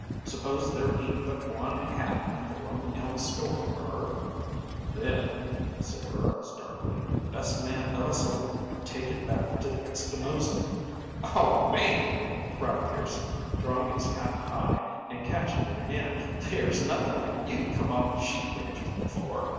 Suppose there ain't but one hat in the Lone Elm store, Burr!" "Then," said Burrows, darkly, "the best man of us'll take it back to the Espinosa." "Oh, man!" cried Pearson, throwing his hat high and catching it again, "there's nothing like you come off the sheep ranges before.